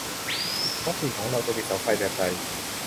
ท้องถิ่นของเราจะมีเสาไฟฟ้าแบบใด